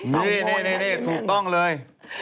นี่ถูกต้องเลย